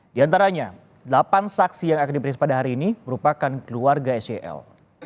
di antaranya delapan saksi yang akan diperiksa pada hari ini merupakan keluarga sel